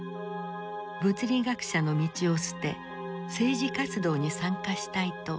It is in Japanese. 物理学者の道を捨て政治活動に参加したいと申し出た。